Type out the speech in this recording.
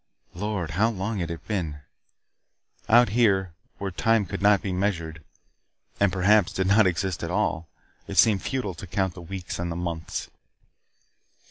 Lord, how long had it been? Out here, where time could not be measured, and perhaps did not exist at all, it seemed futile to count the weeks and the months.